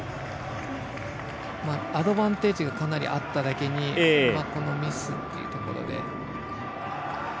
アドバンテージがかなりあっただけにこのミスというところで。